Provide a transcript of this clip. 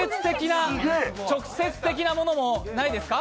直接的なものもないですか？